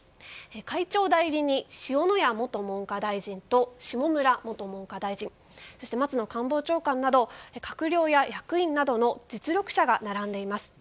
会長代理に塩谷元文科大臣と下村元文科大臣そして松野官房長官など閣僚や役員などの実力者が並んでいます。